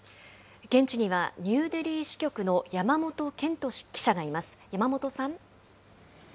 現地にはニューデリー支局の山本健人記者がいます。